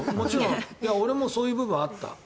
俺もそういう部分があった。